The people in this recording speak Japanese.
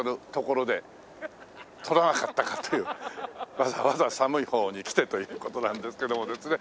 わざわざ寒い方に来てという事なんですけどもですね。